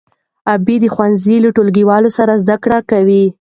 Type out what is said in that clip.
غابي د ښوونځي له ټولګیوالو زده کړې کوي.